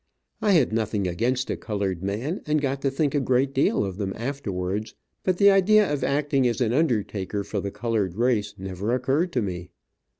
I had nothing against a colored man, and got to think a great deal of them afterwards, but the idea of acting as an undertaker for the colored race never occurred to me.